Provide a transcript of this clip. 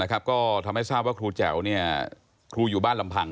ก็ทำให้ทราบว่าครูแจ๋วครูอยู่บ้านลำพัง